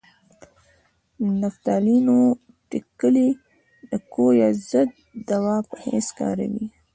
د نفتالینو ټېکلې د کویه ضد دوا په حیث کاروي.